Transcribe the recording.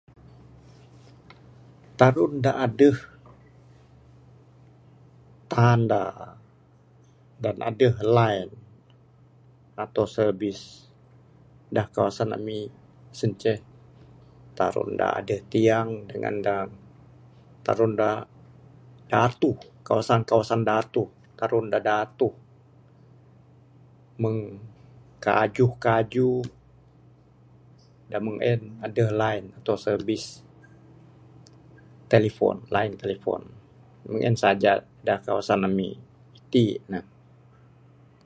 Tarun da adeh tanda, dan adeh line ato service da kawasan ami sien ceh tarun da adeh tiang dangan tarun da datuh. Kawasan datuh, tarun da datuh meng kajuh kajuh adeh line ne ato service line telephone. Meng en saja da kawasan ami iti ne.